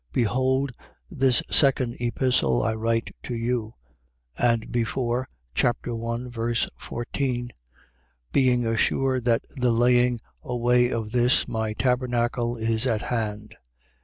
Behold this second Epistle I write to you: and before (chap. 1. 14,) Being assured that the laying away of this my tabernacle is at hand.